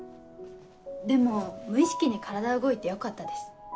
でも無意識に体動いてよかったです。